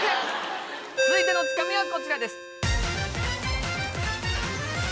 続いてのツカミはこちらです。